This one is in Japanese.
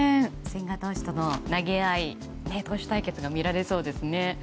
千賀投手との投げ合い投手対決が見られそうですね。